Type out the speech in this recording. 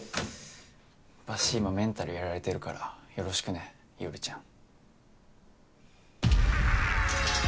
バシ今メンタルやられてるからよろしくね伊織ちゃん。